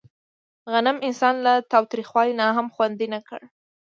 غنم انسان له تاوتریخوالي نه هم خوندي نه کړ.